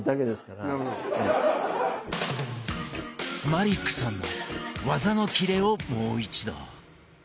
マリックさんの技のキレをもう一度。